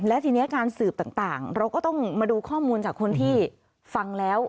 และทีนี้การสืบต่างเราก็ต้องมาดูข้อมูลจากคนที่ฟังแล้ว